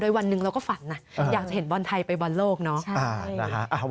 วันหนึ่งเราก็ฝันนะอยากจะเห็นบอลไทยไปบอลโลกเนาะ